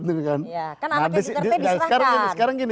kan anaknya duterte diserahkan